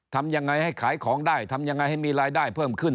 ทำยังไงให้ขายของได้ทำยังไงให้มีรายได้เพิ่มขึ้น